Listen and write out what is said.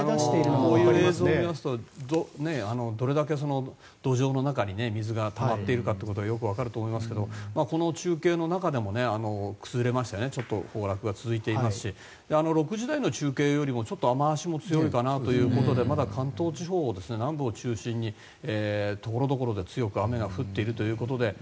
こういう映像を見ますとどれだけ土壌の中に水がたまっているかがよく分かると思いますけどこの中継の中でも崩れまして崩落が続いていますし６時台の中継よりも雨脚も強いかなということでまだ関東地方の南部を中心にところどころで強く雨が降っているということで。